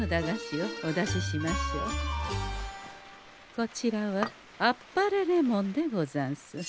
こちらは天晴れレモンでござんす。